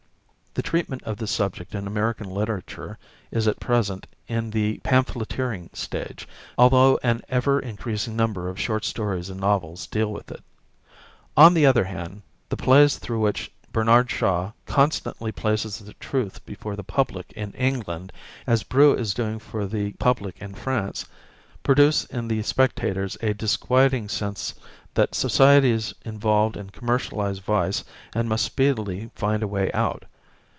The treatment of this subject in American literature is at present in the pamphleteering stage, although an ever increasing number of short stories and novels deal with it. On the other hand, the plays through which Bernard Shaw constantly places the truth before the public in England as Brieux is doing for the public in France, produce in the spectators a disquieting sense that society is involved in commercialized vice and must speedily find a way out.